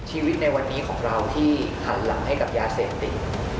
ชีวิตในวันนี้ที่สามารถหันหลังให้กับยาเสพติด